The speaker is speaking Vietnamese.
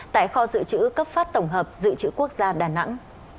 tại kho dự trữ cấp phát tổng hợp dự trữ quốc gia đà nẵng